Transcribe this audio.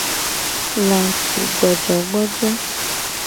Lacigbojogbojo.